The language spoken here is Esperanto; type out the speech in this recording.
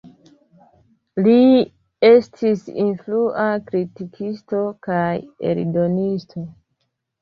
Li estis influa kritikisto kaj eldonisto.